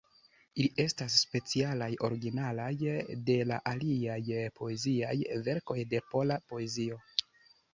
Ili estas specialaj, originalaj de aliaj poeziaj verkoj de pola poezio.